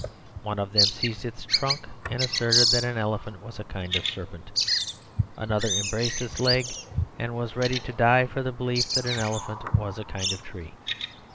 One of them seized its trunk, and asserted that an elephant was a kind of serpent; another embraced its leg, and was ready to die for the belief that an elephant was a kind of tree.